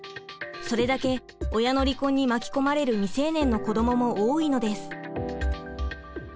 それだけ親の離婚に巻き込まれる未成年の子どもも多いのです。